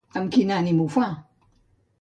Amb quin ànim ho fa?